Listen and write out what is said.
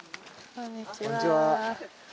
こんにちは。